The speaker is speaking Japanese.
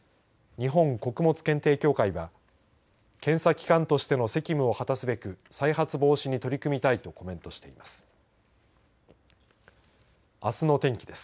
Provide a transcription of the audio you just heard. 日本穀物検定協会は検査機関としての責務を果たすべく再発防止に取り組みたいとコメントしています。